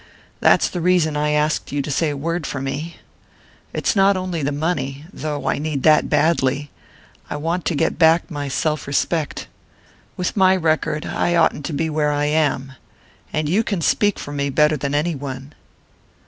That's the reason I asked you to say a word for me. It's not only the money, though I need that badly I want to get back my self respect. With my record I oughtn't to be where I am and you can speak for me better than any one."